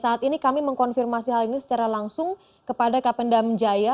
dan saat ini kami mengkonfirmasi hal ini secara langsung kepada kodam jaya